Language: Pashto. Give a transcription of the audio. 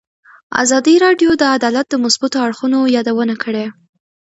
ازادي راډیو د عدالت د مثبتو اړخونو یادونه کړې.